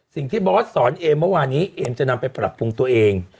สิ่งที่บอสสอนเอมเมื่อวานี้เอมจะนำไปปรับภูมิตัวเอง